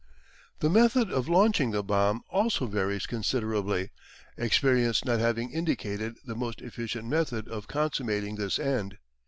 The method of launching the bomb also varies considerably, experience not having indicated the most efficient method of consummating this end.